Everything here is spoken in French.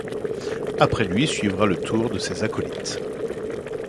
Après lui suivra le tour de ses acolytes.